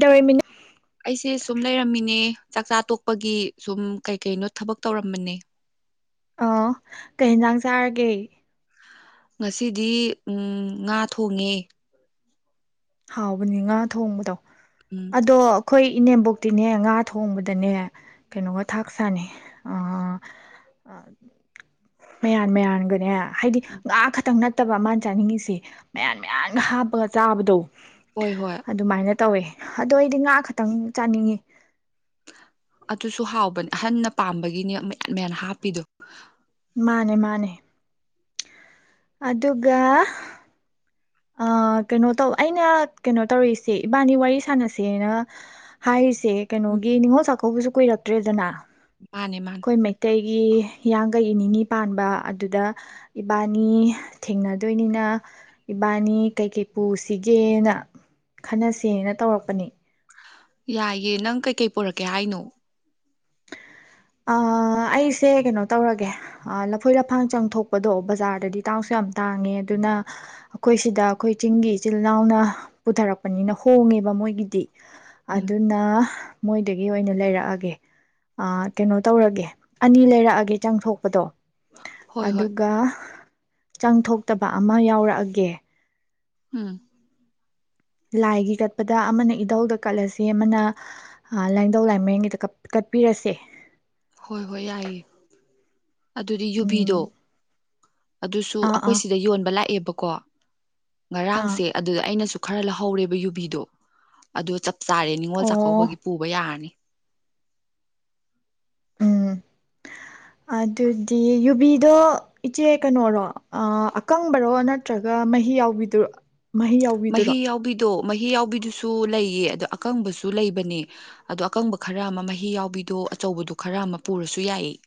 ꯗꯋꯥꯦꯃꯤꯅ ꯑꯩꯁꯦ ꯁꯨꯝ ꯂꯩꯔꯝꯃꯤꯅꯦ ꯆꯥꯛꯆꯥ ꯇꯣꯛꯄꯒꯤ ꯁꯨꯝ ꯀꯩ ꯀꯩꯅꯣ ꯊꯕꯛ ꯇꯧꯔꯝꯕꯅꯦ ꯑ ꯀꯩ ꯌꯦꯟꯖꯥꯡ ꯆꯥꯔꯒꯦ ꯉꯁꯤꯗꯤ ꯎꯝ ꯉꯥ ꯊꯣꯡꯉꯦ ꯍꯥꯎꯕꯅꯤ ꯉꯥ ꯊꯣꯡꯕꯗꯣ ꯎꯝ ꯑꯗꯣ ꯑꯩꯈꯣꯏ ꯏꯅꯦꯝꯕꯣꯛꯇꯤꯅꯦ ꯉꯥ ꯊꯣꯡꯕꯗꯅꯦ ꯀꯩꯅꯣꯒ ꯊꯥꯛ ꯁꯥꯥꯅꯦ ꯃꯌꯥꯟ ꯃꯌꯥꯟꯒꯅꯦ ꯍꯥꯏꯗꯤ ꯉꯥ ꯈꯛꯇꯪ ꯅꯠꯇꯕ ꯃꯥꯅ ꯆꯥꯅꯤꯡꯉꯁꯤ ꯃꯌꯥꯟ ꯃꯌꯥꯝꯟꯒ ꯍꯥꯞꯄꯒ ꯆꯥꯕꯗꯧ ꯍꯣꯏ ꯍꯣꯏ ꯇꯧꯋꯦ ꯑꯗꯨ ꯑꯩꯗꯤ ꯉꯥ ꯈꯇꯪ ꯆꯥꯅꯤꯡꯉꯤ ꯑꯗꯨꯁꯨ ꯍꯥꯎꯕꯅꯦ ꯑꯍꯟꯅ ꯄꯥꯝꯕꯒꯤꯅꯤ ꯃꯌꯥꯟ ꯃꯌꯥꯟ ꯍꯥꯞꯄꯤꯗꯨ ꯃꯥꯅꯦ ꯃꯥꯅꯦ ꯑꯗꯨꯒ ꯀꯩꯅꯣ ꯇꯧ ꯑꯩꯅ ꯀꯩꯅꯣ ꯇꯧꯔꯤꯁꯦ ꯏꯕꯥꯅꯤ ꯋꯥꯔꯤ ꯁꯥꯟꯅꯁꯦꯅ ꯍꯥꯏꯔꯤꯁ ꯁꯦ ꯎꯝ ꯀꯩꯅꯣꯒꯤ ꯅꯤꯡꯉꯣ ꯆꯥꯛꯀꯧꯕꯁꯨ ꯀꯨꯏꯔꯇꯦ ꯇꯔ꯭ꯦꯗꯅ ꯃꯥꯅꯦ ꯃꯥꯅꯦ ꯒꯤ ꯍꯤꯌꯥꯡꯒꯩꯒꯤ ꯅꯤꯅꯤ ꯄꯥꯟꯕ ꯑꯗꯨꯗ ꯏꯕꯥꯅꯤ ꯊꯦꯡꯅꯗꯣꯏꯅꯤꯅ ꯏꯕꯥꯅꯤ ꯀꯩꯀꯩ ꯄꯨꯁꯤꯒꯦꯅ ꯈꯟꯅꯁꯦꯅ ꯇꯧꯔꯛꯄꯅꯤ ꯌꯥꯏꯌꯦ ꯅꯪ ꯀꯩꯀꯩ ꯄꯔꯛꯀꯦ ꯍꯥꯏꯅꯣ ꯑꯩꯁꯦ ꯀꯩꯅꯣ ꯇꯧꯔꯒꯦ ꯂꯐꯣꯏ ꯂꯐꯥꯡ ꯆꯪꯊꯣꯛꯄꯗꯣ ꯕꯖꯥꯔꯗꯗꯤ ꯇꯥꯎꯁꯨ ꯌꯥꯝ ꯇꯥꯡꯉꯦ ꯑꯗꯨꯅ ꯑꯩꯈꯣꯏ ꯁꯤꯗ ꯑꯩꯈꯣꯏ ꯆꯤꯡꯒꯤ ꯏꯆꯤꯜ ꯏꯅꯥꯎꯅ ꯄꯨꯊꯔꯛꯄꯅꯤꯅ ꯍꯣꯡꯉꯦꯕ ꯃꯣꯏꯒꯤꯗꯤ ꯎꯝ ꯑꯗꯨꯅ ꯃꯣꯏꯗꯒꯤ ꯑꯣꯏꯅ ꯂꯩꯔꯛꯑꯒꯦ ꯀꯩꯅꯣ ꯇꯧꯔꯒꯦ ꯑꯅꯤ ꯂꯩꯔꯛꯑꯒꯦ ꯆꯪ ꯊꯣꯛꯄꯗꯣ ꯍꯣꯏ ꯍꯣꯏ ꯑꯗꯨꯒ ꯆꯉ ꯊꯣꯛꯇꯕ ꯑꯃ ꯌꯥꯎꯔꯛꯑꯒꯦ ꯎꯝ ꯂꯥꯏꯒꯤ ꯀꯠꯄꯗ ꯑꯃꯅ ꯏꯙꯧꯗ ꯀꯠꯂꯁꯦ ꯑꯃꯅ ꯂꯥꯏꯙꯧ ꯂꯥꯏꯃꯔꯦꯟꯒꯤꯗ ꯀꯠꯄꯤꯔꯁꯦ ꯍꯣꯏ ꯍꯣꯏ ꯌꯥꯏꯌꯦ ꯑꯗꯨꯗꯤ ꯌꯨꯕꯤꯗꯣ ꯎꯝ ꯑꯗꯨꯁꯨ ꯑꯥ ꯑꯥ ꯑꯩꯈꯣꯏ ꯁꯤꯗ ꯌꯣꯟꯕ ꯂꯥꯛꯑꯦꯕꯀꯣ ꯑꯥ ꯉꯔꯥꯡꯁꯦ ꯑꯗꯨꯗ ꯑꯩꯅꯁꯨ ꯈꯔ ꯂꯧꯍꯧꯔꯦꯕ ꯌꯨꯕꯤꯗꯣ ꯑꯗꯣ ꯆꯥꯔꯦ ꯅꯤꯡꯉꯣꯜ ꯑꯣ ꯆꯥꯛꯀꯧꯕꯒꯤ ꯄꯨꯕ ꯌꯥꯔꯅꯤ ꯎꯝ ꯑꯗꯨꯗꯤ ꯌꯨꯕꯤꯗꯣ ꯏꯆꯦ ꯀꯩꯅꯣꯔꯣ ꯑꯀꯪꯕꯔꯣ ꯅꯠꯇ꯭ꯔꯒ ꯃꯍꯤ ꯌꯥꯎꯕꯤꯗꯨꯔꯣ ꯃꯍꯤ ꯌꯥꯎꯕꯤꯗꯨꯔꯣ ꯃꯍꯤ ꯌꯥꯎꯕꯤꯗꯣ ꯃꯍꯤ ꯌꯥꯎꯕꯤꯗꯨꯁꯨ ꯂꯩꯌꯦ ꯑꯗ ꯑꯀꯪꯕꯁꯨ ꯂꯩꯕꯅꯦ ꯑꯗꯣ ꯑꯀꯪꯕ ꯈꯔ ꯑꯃ ꯃꯍꯤ ꯌꯥꯎꯕꯤꯗꯣ ꯑꯆꯧꯕꯗꯣ ꯈꯔ ꯑꯃ ꯄꯨꯔꯁꯨ ꯌꯥꯏꯌꯦ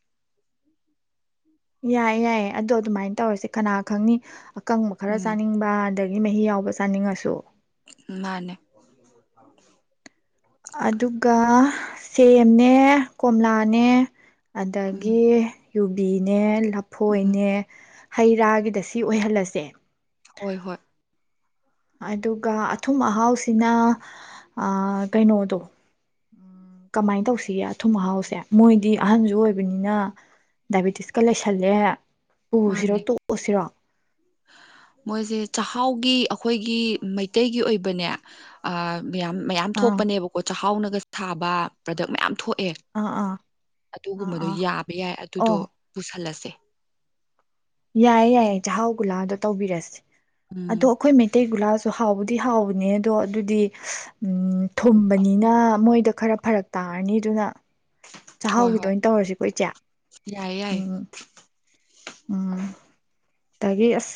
ꯌꯥꯏꯌꯦ ꯌꯥꯏꯌꯦ ꯑꯗꯣ ꯑꯗꯨꯃꯥꯏꯅ ꯇꯧꯔꯁꯦ ꯀꯅꯥ ꯈꯪꯅꯤ ꯑꯀꯪꯕ ꯈꯔ ꯎꯝ ꯆꯥꯅꯤꯡꯕ ꯑꯗꯒꯤ ꯃꯍꯤ ꯌꯥꯎꯕ ꯆꯥꯅꯤꯡꯉꯁꯨ ꯃꯥꯅꯦ ꯑꯗꯨꯒ ꯁꯦꯝꯅꯦ ꯀꯣꯝꯂꯥꯅꯦ ꯎꯝ ꯑꯗꯒꯤ ꯌꯨꯕꯤꯅꯦ ꯎꯝ ꯂꯐꯣꯏꯅꯦ ꯍꯩ ꯔꯥꯒꯤꯗ ꯁꯤ ꯑꯣꯏꯍꯜꯂꯁꯦ ꯍꯣꯏ ꯍꯣꯏ ꯑꯗꯨꯒ ꯑꯊꯨꯝ ꯑꯍꯥꯎꯁꯤꯅ ꯀꯩꯅꯣꯗꯣ ꯀꯃꯥꯏꯅ ꯇꯧꯁꯤꯒꯦ ꯑꯊꯨꯝ ꯑꯍꯥꯎꯁꯦ ꯃꯣꯏꯗꯤ ꯑꯍꯟꯁꯨ ꯑꯣꯏꯕꯅꯤꯅ ꯗꯥꯏꯕꯦꯇꯤꯁꯀ ꯂꯩꯁꯜꯂꯦ ꯄꯨꯁꯤꯔꯣ ꯃꯥꯅꯦ ꯇꯣꯛꯑꯁꯤꯔꯣ ꯃꯣꯏꯁꯦ ꯆꯥꯛꯍꯥꯎꯒꯤ ꯑꯩꯈꯣꯏꯒꯤ ꯃꯩꯇꯩꯒꯤ ꯑꯣꯏꯕꯅꯦ ꯑ ꯃꯌꯥꯝ ꯃꯌꯥꯝ ꯑꯥ ꯊꯣꯛꯄꯅꯦꯕꯀꯣ ꯆꯥꯛꯍꯥꯎꯅꯒ ꯊꯥꯕ ꯄ꯭ꯔꯗꯛ ꯃꯌꯥꯝ ꯊꯣꯛꯑꯦ ꯑꯥ ꯑꯥ ꯑꯥ ꯑꯗꯨꯒꯨꯝꯕꯗꯣ ꯑꯥ ꯌꯥꯕ ꯌꯥꯏ ꯑꯗꯨꯗꯣ ꯑꯣ ꯄꯨꯁꯜꯂꯁꯦ ꯌꯥꯏꯌꯦ ꯌꯥꯏꯌꯦ ꯆꯥꯛꯍꯥꯎ ꯒꯨꯂꯥꯗꯣ ꯇꯧꯕꯤꯔꯁꯦ ꯑꯗꯣ ꯎꯝ ꯑꯩꯈꯣꯏ ꯃꯩꯇꯩ ꯒꯨꯂꯥꯁ ꯍꯥꯎꯕꯨꯗꯤ ꯍꯥꯎꯕꯅꯦ ꯑꯗꯣ ꯑꯗꯨꯗꯤ ꯎꯝ ꯊꯨꯝꯕꯅꯤꯅ ꯃꯣꯏꯗ ꯈꯔ ꯐꯔꯛ ꯇꯥꯔꯅꯤ ꯑꯗꯨꯅ ꯍꯣꯏ ꯆꯥꯛꯍꯥꯎꯒꯤꯗꯣ ꯍꯣꯏ ꯑꯣꯏꯅ ꯇꯧꯔꯁꯤꯀꯣ ꯏꯆꯦ ꯌꯥꯏꯌꯦ ꯌꯥꯏꯌꯦ ꯎꯝ ꯎꯝ [unintelligible] ꯑꯗꯒꯤ ꯑꯁ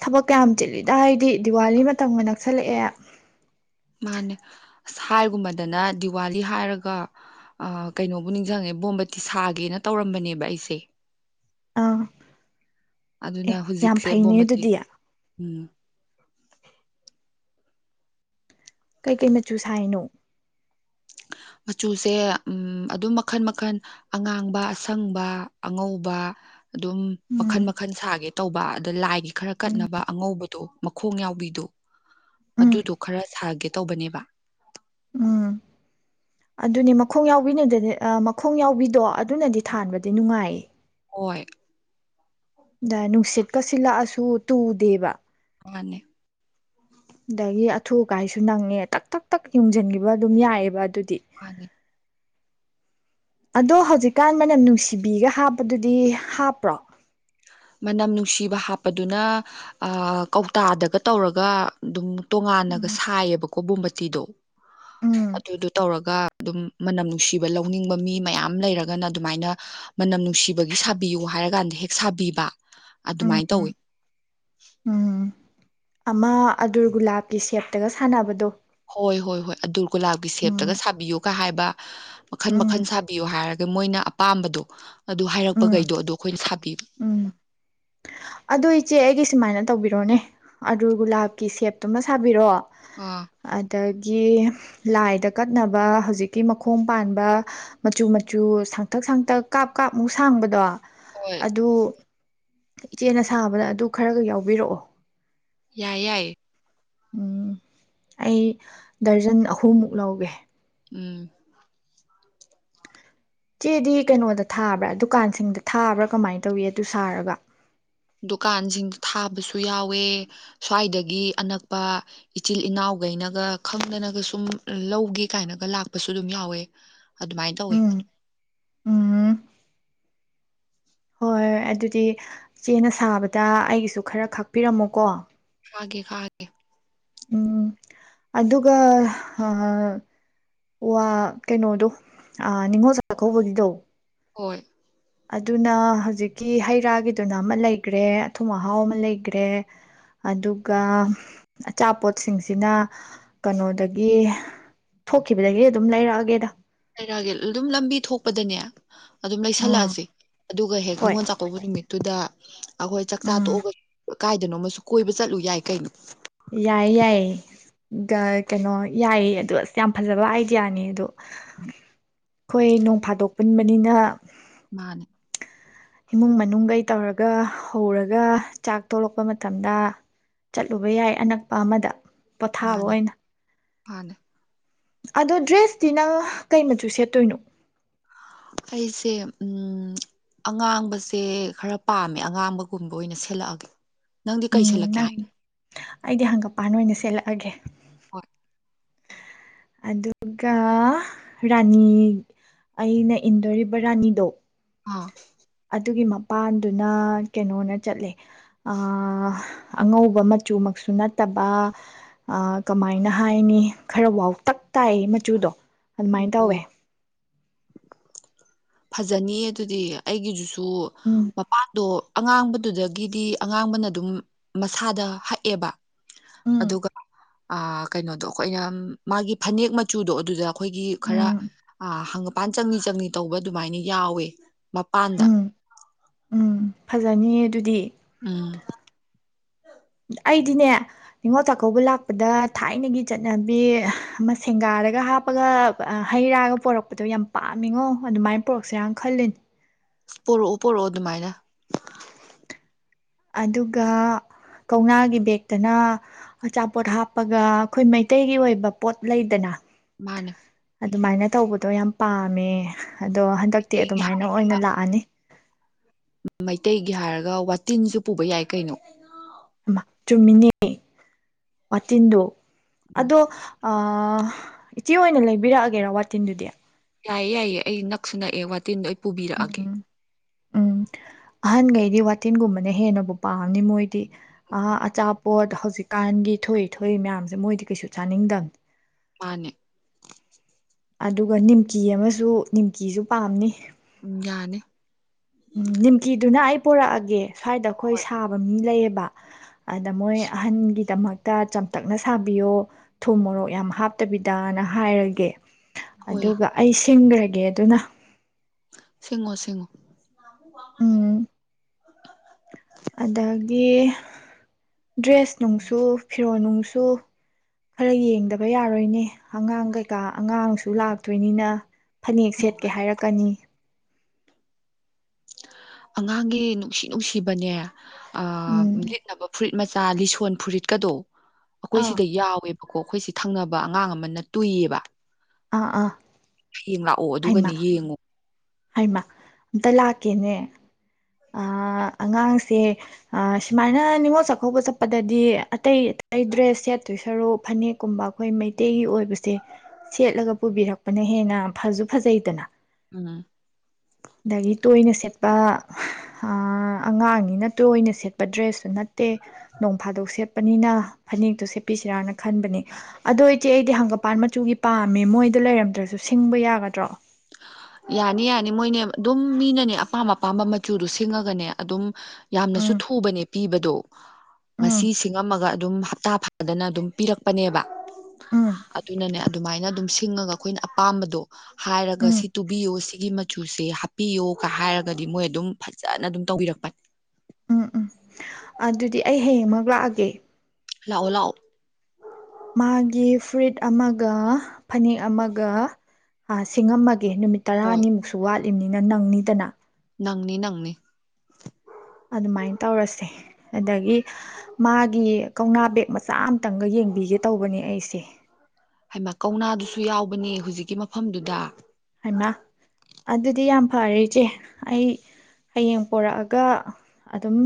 ꯊꯕꯛ ꯀꯌꯥꯝ ꯆꯤꯂꯤꯗ ꯍꯥꯏꯗꯤ ꯗꯤꯋꯥꯂꯤ ꯃꯇꯝꯒ ꯅꯛꯁꯜꯂꯛꯑꯦ ꯃꯥꯅꯦ ꯑꯁ ꯍꯥꯏꯒꯨꯝꯕꯗꯅ ꯗꯤꯋꯥꯂꯤ ꯍꯥꯏꯔꯒ ꯀꯩꯅꯣꯕꯨ ꯅꯤꯡꯁꯤꯡꯉꯦ ꯕꯣꯝꯕꯇꯤ ꯁꯥꯒꯦꯅ ꯇꯧꯔꯝꯕꯅꯦꯕ ꯑꯩꯁꯦ ꯑ ꯑꯗꯨꯅ ꯍꯧꯖꯤꯛꯁꯦ ꯕꯣꯝꯕꯇꯤ ꯑꯗꯨꯗꯤ ꯎꯝ ꯀꯩꯀꯩ ꯃꯆꯨ ꯁꯥꯏꯅꯣ ꯃꯆꯨꯁꯦ ꯑꯝ ꯑꯗꯨꯝ ꯃꯈꯜ ꯃꯈꯜ ꯑꯉꯥꯡꯕ ꯑꯁꯪꯕ ꯑꯉꯧꯕ ꯑꯗꯨꯝ ꯃꯈꯜ ꯎꯝ ꯃꯈꯜ ꯁꯥꯒꯦ ꯇꯧꯕ ꯑꯗ ꯂꯥꯏꯒꯤ ꯈꯔ ꯎꯝ ꯀꯠꯅꯕ ꯑꯉꯧꯕꯗꯣ ꯈꯣꯡ ꯌꯥꯎꯕꯤꯗꯣ ꯎꯝ ꯑꯗꯨꯗꯣ ꯈꯔ ꯁꯥꯒꯦ ꯇꯧꯕꯅꯦꯕ ꯎꯝ ꯑꯗꯨꯅꯦ ꯃꯈꯣꯡ ꯌꯥꯎꯕꯤꯅꯗꯅꯦ ꯃꯈꯣꯡ ꯌꯥꯎꯕꯤꯗꯣ ꯑꯗꯨꯅꯗꯤ ꯊꯥꯟꯕꯗꯤ ꯅꯨꯡꯉꯥꯏꯌꯦ ꯑꯣꯏꯣꯏ ꯅꯨꯡꯁꯤꯠꯀ ꯁꯤꯜꯂꯛꯑꯁꯨ ꯇꯨꯗꯦꯕ ꯃꯥꯅꯦ ꯑꯗꯒꯤ ꯑꯊꯨ ꯑꯀꯥꯏꯁꯨ ꯅꯪꯉꯦ ꯇꯛ ꯇꯛ ꯇꯛ ꯌꯨꯡꯁꯤꯟꯈꯤꯕ ꯑꯗꯨꯝ ꯌꯥꯏꯌꯦꯕ ꯑꯗꯨ [unintelligible] ꯑꯗꯣ ꯍꯧꯖꯤꯛꯀꯥꯟ ꯃꯅꯝ ꯅꯨꯡꯁꯤꯕꯤꯒ ꯍꯥꯞꯄꯗꯨꯗꯤ ꯍꯥꯞꯄ꯭ꯔꯣ ꯃꯅꯝ ꯅꯨꯡꯁꯤꯕ ꯍꯥꯞꯄꯗꯨꯅ ꯀꯧꯇꯥꯗꯒ ꯇꯧꯔꯒ ꯑꯗꯨꯝ ꯇꯣꯉꯥꯟꯅꯒ ꯎꯝ ꯁꯥꯏꯌꯦꯕ [unintelligible] ꯎꯝ ꯑꯗꯨꯗꯨ ꯇꯧꯔ ꯑꯗꯨꯝ ꯃꯅꯝ ꯅꯨꯡꯁꯤꯕ ꯂꯧꯅꯤꯡꯕ ꯃꯤ ꯃꯌꯥꯝ ꯂꯩꯔꯒꯅ ꯑꯗꯨꯃꯥꯏꯅ ꯃꯅꯝ ꯅꯨꯡꯁꯤꯕꯒꯤ ꯁꯥꯕꯤꯌꯨ ꯍꯥꯏꯔꯀꯥꯟꯗ ꯍꯦꯛ ꯁꯥꯕꯤꯕ ꯎꯝ ꯑꯗꯨꯃꯥꯏꯅ ꯇꯧꯋꯤ ꯎꯝ ꯑꯃ ꯑꯗꯨꯔ ꯒꯨꯂꯥꯞꯀꯤ ꯁꯦꯞꯇꯒ ꯁꯥꯟꯅꯕꯗꯣ ꯍꯣꯏ ꯍꯣꯏ ꯍꯣꯏ ꯑꯗꯨꯔ ꯒꯨꯂꯥꯞꯒꯤ ꯁꯦꯞꯇꯒ ꯎꯝ ꯁꯥꯕꯤꯌꯨ ꯍꯥꯏꯕ ꯃꯈꯟ ꯃꯈꯟ ꯎꯝ ꯁꯥꯕꯤꯌꯨ ꯍꯥꯏꯔ ꯑꯗ ꯃꯣꯏꯅ ꯑꯄꯥꯝꯕꯗꯣ ꯑꯗꯨ ꯎꯝ ꯍꯥꯏꯔꯛꯄꯈꯩꯗꯣ ꯑꯗꯣ ꯑꯩꯈꯣꯏꯅ ꯁꯥꯕꯤꯕ ꯑꯗꯨ ꯏꯆꯦ ꯑꯩꯒꯤ ꯁꯨꯃꯥꯏꯅ ꯇꯧꯕꯤꯔꯣꯅꯦ ꯑꯗꯨꯔ ꯒꯨꯂꯥꯞꯀꯤ ꯁꯦꯞꯇꯨꯃ ꯁꯥꯕꯤꯔꯣ ꯑꯥ ꯑꯗ ꯒꯤ ꯂꯥꯏꯗ ꯀꯠꯅꯕ ꯍꯧꯖꯤꯛꯀꯤ ꯃꯈꯣꯡ ꯄꯥꯟꯕ ꯃꯆꯨ ꯃꯆꯨ ꯁꯥꯡꯊꯛ ꯁꯥꯡꯊꯛ ꯀꯥꯞ ꯀꯥꯞꯃꯨꯛ ꯁꯥꯡꯕꯗꯣ ꯍꯣꯏ ꯑꯗꯨ ꯏꯆꯦꯅ ꯁꯥꯕꯗ ꯑꯗꯨ ꯈꯔꯒ ꯌꯥꯎꯕꯤꯔꯛꯑꯣ ꯌꯥꯏ ꯌꯥꯏ ꯎꯝ ꯑꯩ ꯗꯔꯖꯟ ꯑꯍꯨꯝꯃꯨꯛ ꯂꯧꯒꯦ ꯎꯝ ꯏꯆꯦꯗꯤ ꯀꯩꯅꯣꯗ ꯊꯥꯕ꯭ꯔꯥ ꯗꯨꯀꯥꯟꯁꯤꯡꯗ ꯊꯥꯕ꯭ꯔꯥ ꯀꯃꯥꯏꯅ ꯇꯧꯏ ꯑꯗꯨ ꯁꯥꯔꯒ ꯗꯨꯀꯥꯟꯁꯤꯡ ꯊꯥꯕꯁꯨ ꯌꯥꯎꯋꯦ ꯁ꯭ꯋꯥꯏꯗꯒꯤ ꯑꯅꯛꯄ ꯏꯆꯤꯜ ꯏꯅꯥꯎꯈꯩꯅꯒ ꯈꯪꯗꯅꯒ ꯁꯨꯝ ꯂꯧꯒꯦ ꯀꯥꯏꯅꯒ ꯂꯥꯛꯄꯁꯨ ꯑꯗꯨꯝ ꯌꯥꯎꯋꯦ ꯑꯗꯨꯃꯥꯏꯅ ꯇꯧꯋꯤ ꯎꯝ ꯎꯝ ꯍꯣꯏ ꯑꯗꯨꯗꯤ ꯏꯆꯦꯅ ꯁꯥꯕꯗ ꯑꯩꯒꯤꯁꯨ ꯈꯔ ꯈꯥꯛꯄꯤꯔꯝꯃꯣꯀꯣ [unintelligible] ꯎꯝ ꯑꯗꯨꯒ ꯋꯥ ꯀꯩꯅꯣꯗꯣ ꯅꯤꯡꯉꯣꯜ ꯆꯥꯛꯀꯧꯕꯒꯤꯗꯣ ꯍꯣꯏ ꯑꯗꯨꯅ ꯍꯧꯖꯤꯛꯀꯤ ꯍꯩ ꯔꯥꯒꯤꯗꯨꯅ ꯑꯃ ꯂꯩꯈ꯭ꯔꯦ ꯑꯊꯨꯝ ꯑꯍꯥꯎ ꯑꯃ ꯂꯩꯈ꯭ꯔꯦ ꯑꯗꯨꯒ ꯑꯆꯥꯄꯣꯠꯁꯤꯡꯁꯤꯅ ꯀꯅꯣꯗꯒꯤ ꯊꯣꯛꯈꯤꯕꯗꯒꯤ ꯑꯗꯨꯝ ꯂꯩꯔꯛꯑꯒꯦꯗ [unintelligible] ꯑꯗꯨꯝ ꯂꯝꯕꯤ ꯊꯣꯛꯄꯗꯅꯦ ꯑꯗꯨꯝ ꯎꯝ ꯂꯩꯁꯜꯂꯛꯑꯁꯤ ꯑꯗꯨꯒ ꯍꯦꯛ ꯍꯣꯏ ꯅꯤꯉꯣꯜ ꯆꯥꯛꯀꯧꯕ ꯅꯨꯃꯤꯠ ꯑꯗꯨꯗ ꯑꯩꯈꯣꯏ ꯆꯥꯛꯆꯥ ꯎꯝ ꯇꯣꯛꯑꯒꯁꯨ ꯀꯥꯏꯗꯅꯣ ꯑꯃꯁꯨ ꯀꯣꯏꯕ ꯆꯠꯂꯨ ꯌꯥꯏ ꯀꯩꯅꯣ ꯌꯥꯏ ꯌꯥꯏꯌꯦ ꯀꯩꯅꯣ ꯌꯥꯏꯌꯦ ꯑꯗꯣ ꯑꯁ ꯌꯥꯝ ꯐꯖꯕ ꯑꯥꯏꯗꯤꯌꯥꯅꯦ ꯑꯗꯣ ꯑꯩꯈꯣꯏ ꯅꯣꯡ ꯐꯥꯗꯣꯛꯄꯨꯟ ꯑꯅꯤꯅ ꯃꯥꯅꯦ ꯏꯃꯨꯡ ꯃꯅꯨꯡꯒꯩ ꯇꯧꯔꯒ ꯍꯧꯔꯒ ꯆꯥꯛ ꯇꯣꯛꯂꯛꯄ ꯃꯇꯝꯗ ꯆꯠꯂꯨꯕ ꯌꯥꯏ ꯑꯅꯛꯄ ꯑꯃꯗ ꯄꯣꯊꯥꯕ ꯑꯣꯏꯅ ꯃꯅꯦ ꯑꯗꯣ ꯗ꯭ꯔꯦꯁꯇꯤ ꯅꯪ ꯀꯩ ꯃꯆꯨ ꯁꯦꯠꯇꯣꯏꯅꯣ ꯑꯩꯁꯦ ꯑꯉꯥꯡꯕꯁꯦ ꯈꯔ ꯄꯥꯝꯃꯦ ꯑꯉꯥꯡꯕꯒꯨꯝꯕ ꯑꯣꯏꯅ ꯁꯦꯠꯂꯛꯑꯒꯦ ꯅꯪꯗꯤ ꯎꯝ ꯀꯩꯁꯜꯂꯛꯀꯦ ꯅꯪ ꯍꯥꯏ ꯑꯩꯗꯤ ꯍꯪꯒꯄꯥꯟ ꯑꯣꯏꯅ ꯁꯦꯜꯂꯛꯑꯒꯦ ꯍ [inaudible] ꯑꯗꯨꯒ ꯔꯥꯅꯤ ꯑꯩꯅ ꯏꯟꯗꯣꯔꯤꯕ ꯔꯥꯅꯤꯗꯣ ꯑꯥ ꯑꯗꯨꯒꯤ ꯃꯄꯥꯟꯗꯨꯅ ꯀꯩꯅꯣꯅ ꯆꯠꯂꯦ ꯑꯉꯧꯕ ꯃꯆꯨꯃꯛꯁꯨ ꯅꯠꯇꯕ ꯀꯃꯥꯏꯅ ꯍꯥꯏꯅꯤ ꯈꯔ ꯋꯥꯎꯇꯛ ꯇꯥꯏ ꯃꯆꯨꯗꯣ ꯑꯗꯨꯃꯥꯏꯅ ꯇꯧꯌꯦ ꯐꯖꯅꯤꯌꯦ ꯑꯗꯨꯗꯤ ꯑꯩꯒꯤꯁꯨꯨ ꯑꯗꯨ ꯎꯝ ꯃꯄꯥꯟꯗꯣ ꯑꯉꯥꯡꯕꯗꯨꯗꯒꯤꯗꯤ ꯑꯉꯥꯡꯕꯅ ꯑꯗꯨꯝ ꯃꯁꯥꯗ ꯍꯛꯑꯦꯕ ꯎꯝ ꯑꯗꯨꯒ ꯀꯩꯅꯣꯗꯣ ꯑꯩꯈꯣꯏꯅ ꯃꯥꯒꯤ ꯐꯅꯦꯛ ꯃꯆꯨꯗꯣ ꯑꯗꯨꯗ ꯑꯩꯈꯣꯏꯒꯤ ꯈꯔ ꯎꯝ ꯍꯪ ꯄꯥꯟ ꯆꯪꯂꯤ ꯆꯪꯂꯤ ꯇꯧꯕ ꯑꯗꯨꯃꯥꯏꯅ ꯌꯥꯎꯌꯦ ꯃꯄꯥꯟꯗ ꯐꯖꯅꯤꯌꯦ ꯑꯗꯨꯗꯤ ꯎꯝ ꯑꯩꯗꯤꯅꯦ ꯅꯤꯉꯣꯜ ꯆꯥꯛꯀꯧꯕ ꯂꯥꯛꯄꯗ ꯊꯥꯏꯅꯒꯤ ꯆꯠꯅꯕꯤ ꯑꯃ ꯁꯦꯡꯒꯥꯗꯒ ꯍꯥꯞꯄꯒ ꯍꯩ ꯔꯥꯒ ꯄꯣꯔꯛꯄꯗꯣ ꯌꯥꯝ ꯄꯥꯝꯃꯤꯉꯣ ꯑꯗꯨꯃꯥꯏꯅ ꯄꯣꯔꯛꯁꯔꯅ ꯈꯜꯂꯤꯅꯦ ꯄꯣꯔꯛꯑꯣ ꯄꯣꯔꯛꯑꯣ ꯑꯗꯨꯃꯥꯏꯅ ꯑꯗꯨꯒ ꯀꯧꯅꯥꯒꯤ ꯕꯦꯛꯇꯅ ꯑꯆꯥꯄꯣꯠ ꯍꯥꯞꯄꯒ ꯑꯩꯈꯣꯏ ꯃꯩꯇꯩꯒꯤ ꯑꯣꯏꯕ ꯄꯣꯠ ꯂꯩꯗꯅ ꯃꯥꯅꯦ ꯑꯗꯨꯃꯥꯏꯅ ꯇꯧꯕꯗꯣ ꯌꯥꯝ ꯄꯥꯝꯃꯦ ꯑꯗꯣ ꯍꯟꯗꯛꯇꯤ ꯑꯩꯒꯤ ꯑꯗꯨꯃꯥꯏꯅ ꯑꯣꯏꯅ ꯂꯥꯛꯑꯅꯤ ꯃꯩꯇꯩꯒꯤ ꯍꯥꯏꯔꯒ ꯋꯥꯇꯤꯟꯁꯨ ꯄꯨꯕ ꯌꯥꯏ ꯀꯩꯅꯣ ꯆꯨꯝꯃꯤꯅꯤ ꯋꯥꯇꯤꯟꯗꯣ ꯎꯝ ꯑꯗꯣ ꯑ ꯏꯆꯦ ꯑꯣꯏꯅ ꯂꯩꯕꯤꯔꯛꯑꯒꯦꯔ ꯋꯥꯇꯤꯟꯗꯨꯗꯤ ꯌꯥꯏꯌꯦ ꯌꯥꯏꯌꯦ ꯑꯩ ꯅꯛꯁꯨ ꯅꯛꯑꯦ ꯋꯥꯇꯤꯟꯗꯣ ꯄꯨꯕꯤꯔꯛꯑꯒꯦ ꯎꯝ ꯎꯝ ꯑꯍꯟꯈꯩꯗꯤ ꯋꯥꯇꯤꯟꯒꯨꯝꯕꯅ ꯍꯦꯟꯅꯕꯨ ꯄꯥꯝꯅꯤ ꯃꯣꯏꯗꯤ ꯑꯆꯥꯄꯣꯠ ꯍꯧꯖꯤꯛꯀꯥꯟꯒꯤ ꯊꯣꯏꯏ ꯊꯣꯏꯏ ꯃꯌꯥꯝꯁꯦ ꯃꯣꯏꯗꯤ ꯀꯩꯁꯨ ꯆꯥꯅꯤꯡꯗꯕꯅꯤ ꯃꯥꯅꯦ ꯑꯗꯨꯒ ꯅꯤꯝꯀꯤ ꯑꯃꯁꯨ ꯅꯤꯝꯀꯤꯁꯨ ꯄꯥꯝꯅꯤ ꯎꯝ ꯌꯥꯅꯦ ꯅꯤꯃꯀꯤꯗꯨꯟ ꯑꯩꯄ ꯄꯨꯔꯛꯑꯒꯦ ꯁ꯭ꯋꯥꯏꯗ ꯑꯩꯈꯣꯏ ꯍꯣꯏ ꯁꯥꯕ ꯃꯤ ꯂꯩꯌꯦꯕ ꯕ ꯃꯣꯏ ꯑꯍꯟꯒꯤꯗꯃꯛꯇ ꯆꯝꯇꯛꯅ ꯁꯥꯕꯤꯌꯣ ꯊꯨ ꯃꯣꯔꯣꯛ ꯌꯥꯝ ꯍꯥꯞꯇꯕꯤꯗꯅ ꯍꯥꯏꯔꯒꯦ ꯍꯣꯏ ꯑꯗꯨꯒ ꯑꯩ ꯊꯤꯡꯈ꯭ꯔꯒꯦ ꯑꯗꯨꯅ ꯁꯤꯡꯉꯣ ꯁꯤꯡꯉꯣ ꯎꯝ [inaudible] ꯑꯗꯒꯤ ꯗ꯭ꯔꯦꯁ ꯅꯨꯡꯁꯨ ꯐꯤꯔꯣꯜ ꯅꯨꯡꯁꯨ ꯈꯔ ꯌꯦꯡꯗꯕ ꯌꯥꯔꯣꯏꯅꯦ ꯑꯉꯥꯡ ꯀꯩꯀꯥ ꯑꯉꯥꯡꯁꯨ ꯂꯥꯛꯇꯣꯏꯅꯤꯅ ꯐꯅꯦꯛ ꯁꯦꯠꯀꯦ ꯍꯥꯏꯔꯛꯀꯅꯤ ꯑꯉꯥꯡꯒꯤ ꯅꯨꯡꯁꯤ ꯅꯨꯡꯁꯤꯕꯅꯦ ꯑ ꯎꯝ ꯂꯤꯠꯅꯕ ꯐꯨꯔꯤꯠ ꯃꯆꯥ ꯂꯤꯁꯣꯟ ꯐꯨꯔꯤꯠꯀꯗꯣ ꯑꯩꯈꯣꯏ ꯑꯥ ꯁꯤꯗ ꯌꯥꯎꯋꯦꯕ ꯀꯣ ꯑꯩꯈꯣꯏꯁꯤ ꯊꯪꯅꯕ ꯑꯉꯥꯡ ꯑꯃꯅ ꯇꯨꯏꯌꯦꯕ ꯑꯥ ꯑꯥ ꯍꯌꯦꯪ ꯂꯥꯛꯑꯣ ꯑꯗꯨꯒꯅꯤ ꯌꯦꯡꯉꯨ ꯍꯥꯏꯃ ꯑꯝꯇ ꯂꯥꯛꯀꯦꯅꯦ ꯑꯉꯥꯡꯁꯦ ꯁꯨꯃꯥꯏꯅ ꯅꯤꯉꯣꯜ ꯆꯥꯛꯀꯧꯕ ꯆꯠꯄꯗꯗꯤ ꯑꯇꯩ ꯑꯇꯩ ꯗ꯭ꯔꯦꯁ ꯁꯦꯠꯇꯣꯏ ꯁꯔꯨ ꯐꯅꯦꯛꯀꯨꯝꯕ ꯑꯩꯈꯣꯏ ꯃꯩꯇꯩꯒꯤ ꯑꯣꯏꯕꯁꯦ ꯁꯦꯠꯂꯒ ꯄꯨꯕꯤꯔꯛꯄꯅ ꯍꯦꯟꯅ ꯐꯁꯨ ꯐꯖꯩꯗꯅ ꯎ ꯑꯗꯒꯤ ꯇꯣꯏꯅ ꯁꯦꯠꯄ ꯑꯉꯥꯡꯅꯤꯅ ꯇꯣꯏꯅ ꯁꯦꯠꯄ ꯗ꯭ꯔꯦꯁꯁꯨꯨ ꯅꯠꯇꯦ ꯅꯣꯡ ꯐꯥꯗꯣꯛ ꯁꯦꯠꯄꯅꯤꯅ ꯐꯅꯦꯛꯇꯣ ꯁꯦꯠꯄꯤꯁꯤꯔꯥꯅ ꯈꯟꯕꯅꯤ ꯑꯗꯣ ꯏꯆꯦ ꯑꯩꯗꯤ ꯍꯪꯒꯄꯥꯟ ꯃꯆꯨꯒꯤ ꯄꯥꯝꯃꯦ ꯃꯣꯏꯗꯣ ꯂꯩꯔꯝꯗ꯭ꯔꯁꯨ ꯁꯤꯡꯕ ꯌꯥꯒꯗ꯭ꯔꯣ ꯌꯥꯅꯤ ꯌꯥꯅꯤ ꯃꯣꯏꯅꯦ ꯑꯗꯨꯝ ꯃꯤꯅꯅꯦ ꯑꯄꯥꯝ ꯑꯄꯥꯝꯕ ꯃꯆꯨꯗ ꯁꯤꯡꯉꯒꯅꯦ ꯑꯗꯨꯝ ꯌꯥꯝꯅꯁꯨ ꯎꯝ ꯊꯨꯕꯅꯦ ꯄꯤꯕꯗꯣ ꯉꯁꯤ ꯎꯝ ꯁꯤꯡꯉꯝꯃꯒ ꯑꯗꯨꯝ ꯍꯞꯇꯥ ꯐꯗꯅ ꯑꯗꯨꯝ ꯄꯤꯔꯛꯄꯅꯦꯕ ꯎꯝ ꯑꯗꯨꯅꯅꯦ ꯑꯗꯨꯃꯥꯏꯅ ꯑꯗꯨꯝ ꯊꯤꯡꯉꯒ ꯑꯩꯈꯣꯒ ꯑꯄꯥꯝꯕꯗꯣ ꯍꯥꯏꯔꯒ ꯁꯤ ꯎꯝ ꯇꯨꯕꯤꯌꯣ ꯁꯤꯒꯤ ꯃꯆꯨꯁꯦ ꯍꯥꯞꯄꯤꯌꯣꯒ ꯍꯥꯏꯔꯒꯗꯤ ꯃꯣꯏ ꯑꯗꯨꯝ ꯐꯖꯅ ꯑꯗꯨꯝ ꯇꯧꯕꯤꯔꯛꯄꯅꯤ ꯎꯝ ꯎꯝ ꯑꯗꯨꯗꯤ ꯑꯩ ꯍꯌꯦꯡꯃꯛ ꯂꯥꯛꯑꯒꯦ ꯂꯑꯣ ꯂꯑꯣ ꯃꯥꯒꯤ ꯐꯨꯏꯠ ꯑꯃꯒ ꯐꯅꯦꯛ ꯑꯃꯒ ꯍꯥ ꯁꯤꯡꯉꯝꯃꯒꯦ ꯅꯨꯃꯤꯠ ꯍꯣꯏ ꯇꯔꯥꯅꯤꯃꯨꯛꯁꯨ ꯋꯥꯠꯂꯤꯕꯅꯤꯅ ꯅꯪꯅꯤ ꯗꯅꯥ ꯅꯪꯅꯤ ꯅꯪꯅꯤ ꯑꯗꯨꯃꯥꯏꯅ ꯇꯧꯔꯁꯦ ꯑꯗꯒꯤ ꯃꯥꯒꯤ ꯀꯧꯅꯥ ꯕꯦꯛ ꯃꯆꯥ ꯑꯃ ꯇꯪꯒ ꯌꯦꯡꯕꯤꯒꯦ ꯇꯧꯕꯅꯤ ꯑꯩꯁꯦ ꯍꯥꯏꯃ ꯀꯧꯅꯥꯗꯨꯁꯨ ꯌꯥꯎꯕꯅꯦ ꯍꯧꯖꯤꯛꯀꯤ ꯃꯐꯝꯗꯨꯗ ꯍꯥꯏꯃ ꯑꯗꯨꯗꯤ ꯌꯥꯝ ꯐꯔꯦ ꯏꯆꯦ ꯑꯩ ꯍꯌꯦꯡ ꯄꯣꯔꯛꯑꯒ ꯑꯗꯨꯝ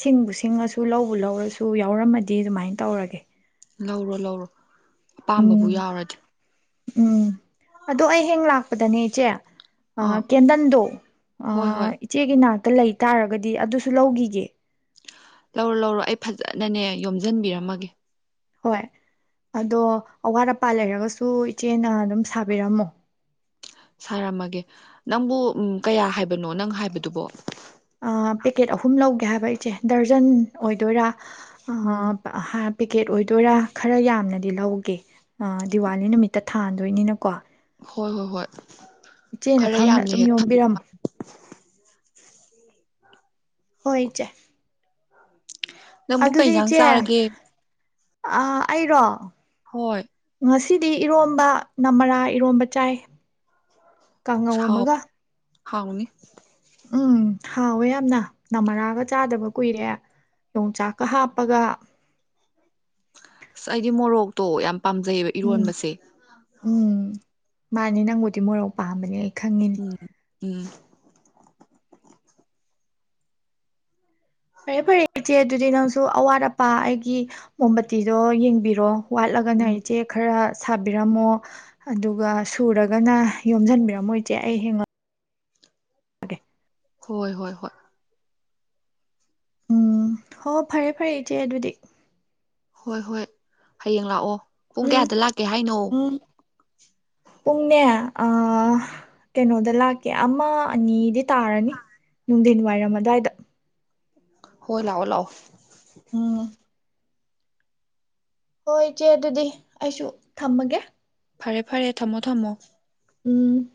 ꯁꯤꯡꯕꯨ ꯁꯤꯡꯉꯁꯨ ꯂꯧꯕ ꯂꯧꯔꯁꯨ ꯌꯥꯎꯔꯝꯃꯗꯤ ꯑꯗꯨꯃꯥꯏꯅ ꯇꯧꯔꯒꯦ ꯂꯧꯔꯣ ꯂꯧꯔꯣ ꯎꯝ ꯑꯄꯥꯝꯕꯕꯨ ꯌꯥꯎꯔꯗꯤ ꯎꯝ ꯑꯗꯣ ꯑꯩ ꯍꯌꯦꯡ ꯂꯥꯛ ꯄꯗꯅꯦ ꯏꯆꯦ ꯑꯥ ꯀꯦꯟꯗꯟꯗꯣ ꯍꯣꯏ ꯑꯥ ꯍꯣꯏ ꯏꯆꯦꯒꯤ ꯅꯥ ꯇ ꯂꯩ ꯇꯥꯔꯒꯗꯤ ꯑꯗꯨꯁꯨ ꯂꯧꯒꯤꯒꯦ ꯂꯧꯔꯣ ꯂꯧꯔꯣ ꯑꯩ ꯐꯖꯅꯅꯦ ꯌꯣꯝꯖꯤꯟꯕꯤꯔꯝꯃꯒꯦ ꯍꯣꯏ ꯑꯗꯣ ꯑꯋꯥꯠ ꯑꯄꯥ ꯂꯩꯔꯒꯁꯨ ꯏꯆꯦꯅ ꯑꯗꯨꯝ ꯁꯥꯕꯤꯔꯝꯃꯣ ꯁꯥꯔꯝꯃꯒꯦ ꯅꯪꯕꯨ ꯀꯌꯥ ꯍꯥꯏꯕꯅꯣ ꯅꯪ ꯍꯥꯏꯕꯗꯨꯕꯣ ꯄꯦꯀꯦꯠ ꯑꯍꯨꯝ ꯂꯧꯒꯦ ꯍꯥꯏꯕ ꯆꯦ ꯗꯔꯖꯟ ꯑꯣꯏꯗꯣꯏꯔꯥ ꯎꯝ ꯑꯍꯥ ꯍꯥꯏ ꯄꯦꯀꯦꯠ ꯑꯣꯏꯗꯣꯏꯔꯥ ꯈꯔ ꯌꯥꯝꯅꯗꯤ ꯂꯧꯒꯦ ꯑꯥ ꯗꯤꯋꯥꯂꯤ ꯅꯨꯃꯤꯠꯇ ꯊꯥꯟꯗꯣꯏꯅꯤꯅꯀꯣ ꯍꯣꯏ ꯍꯣꯏ ꯍꯣꯏ ꯏꯆꯦꯅ ꯈꯔ ꯈꯪꯅ ꯌꯥꯝꯅ ꯑꯗꯨꯝ ꯍꯦꯛ ꯊꯝꯕꯤ ꯌꯣꯝꯕꯤꯔꯝꯃꯣ ꯍꯣꯏ ꯏꯆꯦ ꯅꯪꯕꯨ ꯀꯩ ꯏꯟꯁꯥꯡ ꯆꯥꯔꯒꯦ ꯑ ꯑꯩꯔꯣ ꯍꯣꯏ ꯉꯁꯤꯗꯤ ꯏꯔꯣꯝꯕ ꯅꯃꯔꯥ ꯏꯔꯣꯝꯕ ꯆꯥꯏ ꯀꯥꯡꯉꯧ ꯍꯥꯎ ꯑꯃꯒ ꯍꯥꯎꯅꯤ ꯎꯝ ꯍꯥꯎꯋꯦ ꯌꯥꯝꯅ ꯅꯃꯔꯥꯒ ꯆꯥꯗꯕ ꯀꯨꯏꯔꯦ ꯌꯣꯡꯆꯥꯛꯀ ꯍꯥꯞꯄꯒ ꯑꯁ ꯑꯩꯗꯤ ꯃꯣꯔꯣꯛꯇꯣ ꯌꯥꯝ ꯄꯥꯝꯖꯩꯌꯦꯕ ꯎꯝ ꯏꯔꯣꯟꯕꯁꯦ ꯎꯝ ꯃꯥꯅꯤ ꯅꯪꯕꯨꯗꯤ ꯃꯣꯔꯣꯛ ꯄꯥꯝꯕꯅꯦ ꯑꯩ ꯈꯪꯉꯤꯅꯦ ꯎꯝ ꯎꯝ ꯐꯔꯦ ꯐꯔꯦ ꯏꯆꯦ ꯑꯗꯨꯗꯤ ꯅꯪꯁꯨ ꯑꯋꯥꯠ ꯑꯄꯥ ꯑꯩꯒꯤ ꯃꯣꯝꯕꯇꯤꯗꯣ ꯌꯦꯡꯕꯤꯔꯣ ꯋꯥꯠꯂꯒꯅ ꯎꯝ ꯏꯆꯦ ꯈꯔ ꯁꯥꯕꯤꯔꯝꯃꯣ ꯑꯗꯨꯒ ꯁꯨꯔꯒꯅ ꯌꯣꯝꯁꯤꯟꯕꯤꯔꯝꯃꯣ ꯏꯆꯦ ꯑꯩ ꯍꯉ ꯑꯒꯦ ꯍꯣꯏ ꯍꯣꯏ ꯍꯣꯏ ꯎꯝ ꯍꯣ ꯐꯔꯦ ꯐꯔꯦ ꯏꯆꯦ ꯑꯗꯨꯗꯤ ꯍꯣꯏ ꯍꯣꯏ ꯍꯌꯦꯡ ꯂꯥꯛꯑꯣ ꯄꯨꯡ ꯎꯝ ꯀꯌꯥꯗ ꯂꯥꯛꯀꯦ ꯍꯥꯏꯅꯣ ꯎꯝ ꯄꯨꯡꯅꯦ ꯑꯥ ꯀꯩꯅꯣꯗ ꯂꯥꯛꯀꯦ ꯑꯃ ꯑꯅꯤꯗꯤ ꯇꯥꯔꯅꯤ ꯅꯨꯡꯊꯤꯟ ꯋꯥꯏꯔꯝ ꯑꯗꯥꯏꯗ ꯍꯣꯏ ꯂꯥꯛꯑꯣ ꯂꯥꯛꯑꯣ ꯎꯝ ꯍꯣꯏ ꯏꯆꯦ ꯑꯗꯨꯗꯤ ꯑꯩꯁꯨ ꯊꯝꯃꯒꯦ ꯐꯔꯦ ꯐꯔꯦ ꯊꯝꯃꯣ ꯊꯝꯃꯣ ꯎꯝ